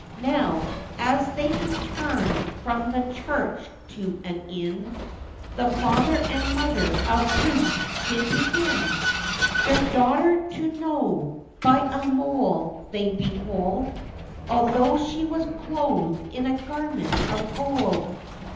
Now, as they returned from the church to an inn, The father and mother of Ruth did begin Their daughter to know, by a mole they behold, Although she was clothed in a garment of gold.